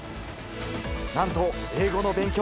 なんと、英語の勉強。